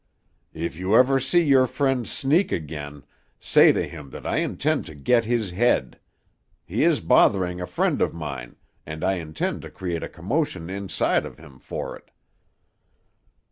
"If you ever see your friend Sneak again, say to him that I intend to get his head. He is bothering a friend of mine, and I intend to create a commotion inside of him for it."